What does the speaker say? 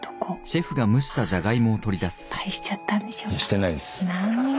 してないです。